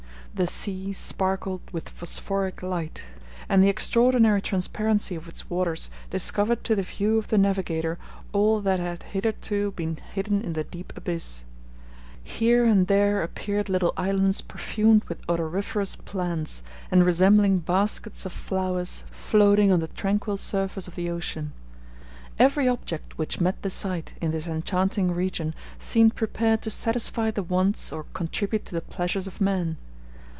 The sea sparkled with phosphoric light, and the extraordinary transparency of its waters discovered to the view of the navigator all that had hitherto been hidden in the deep abyss. *e Here and there appeared little islands perfumed with odoriferous plants, and resembling baskets of flowers floating on the tranquil surface of the ocean. Every object which met the sight, in this enchanting region, seemed prepared to satisfy the wants or contribute to the pleasures of man.